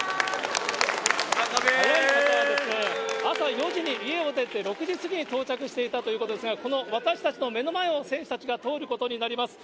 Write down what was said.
早い方は、朝４時に家を出て、６時過ぎに到着していたということですが、この私たちの目の前を選手たちが通ることになります。